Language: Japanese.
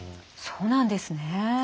そうなんですね。